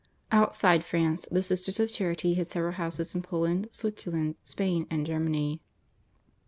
Outside France the Sisters of Charity had several houses in Poland, Switzerland, Spain, and Germany.